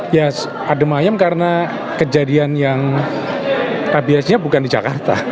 ya adem ayem karena kejadian yang rabiesnya bukan di jakarta